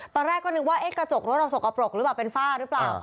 ตอนแรกก็นึกว่ากระจกรถเราสกปรกหรือเปล่าเป็นฝ้าหรือเปล่า